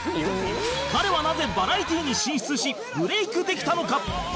彼はなぜバラエティーに進出しブレイクできたのか？